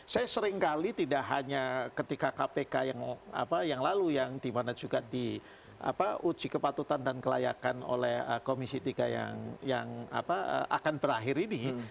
saya sering kali tidak hanya ketika kpk yang apa yang lalu yang dimana juga di uji kepatutan dan kelayakan oleh komisi tiga yang yang apa akan berakhir ini